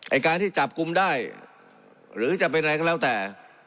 การที่จับกลุ่มได้หรือจะเป็นอะไรก็แล้วแต่